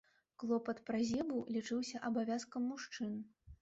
Клопат пра зебу лічыўся абавязкам мужчын.